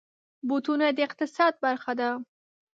بوټونه د اقتصاد برخه ده.